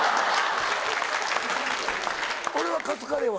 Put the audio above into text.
俺はカツカレーは。